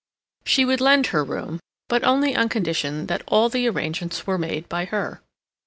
She would lend her room, but only on condition that all the arrangements were made by her.